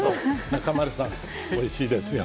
中丸さん、おいしいですよ。